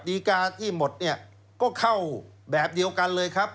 ดีการที่หมดเนี่ยก็เข้าแบบเดียวกันเลยครับ